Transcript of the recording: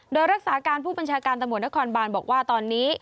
โดยรักษาการผู้บัญชาการตำรวจนครบานบอกว่าตอนนี้